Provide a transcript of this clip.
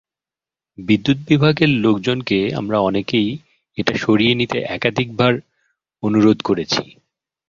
বিদ্যুৎ বিভাগের লোকজনকে আমরা অনেকেই এটা সরিয়ে নিতে একাধিকবার অনুরোধ করেছি।